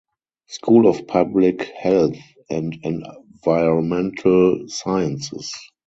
School of Public Health and Environmental Sciences.